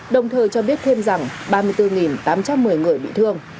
đồng thời cho biết thêm rằng ba mươi bốn tám trăm một mươi người bị thương